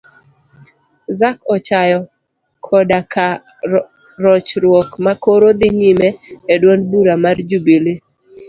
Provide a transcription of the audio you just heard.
Zac ochayo koda ka rochruok makoro dhi nyime e duond bura mar jubilee